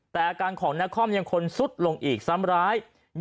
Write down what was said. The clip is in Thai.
แต่อาการของนครยังคนสุดลงอีกซ้ำร้าย